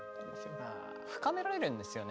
深められるんですよね